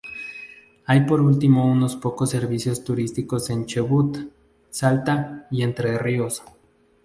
Hay por último unos pocos servicios turísticos en Chubut, Salta y Entre Ríos.